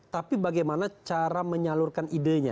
tapi bagaimana cara menyalurkan idenya